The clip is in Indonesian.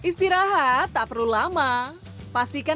sebagai makanan bukit